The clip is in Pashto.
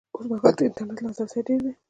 اوس مهال د انټرنېټ لاسرسی ډېر دی